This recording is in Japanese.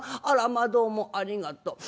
『あらまどうもありがと。